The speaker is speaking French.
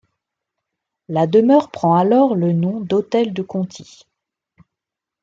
La demeure prend alors le nom d'hôtel de Conti.